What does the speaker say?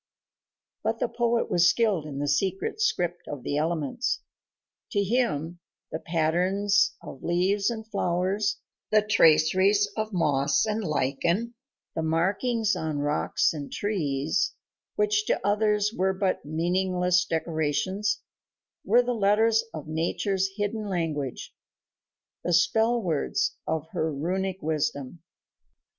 But the poet was skilled in the secret script of the elements. To him the patterns of leaves and flowers, the traceries of moss and lichen, the markings on rocks and trees, which to others were but meaningless decorations, were the letters of nature's hidden language, the spell words of her runic wisdom.